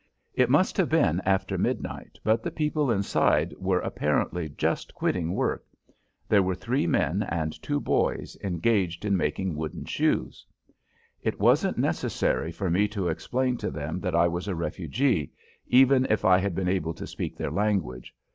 It must have been after midnight, but the people inside were apparently just quitting work. There were three men and two boys engaged in making wooden shoes. It wasn't necessary for me to explain to them that I was a refugee, even if I had been able to speak their language.